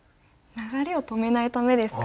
流れを止めないためですか？